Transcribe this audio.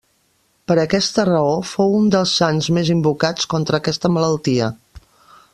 Per aquesta raó fou un dels sants més invocats contra aquesta malaltia.